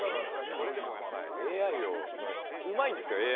これ、やっぱりＡＩもうまいんですよ。